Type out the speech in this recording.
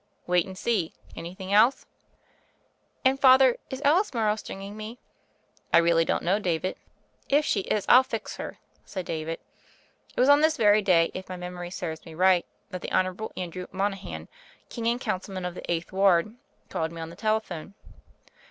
"Wait and see. Anything else ?" "And, Father, is Alice Morrow stringing me?" "I really don't know, David." "If she is, I'll fix her," said David. It was on this very day, if my memory serves me right, that the Honorable Andrew Mona han. King and Councilman of the Eighth Ward, called me on the telephone.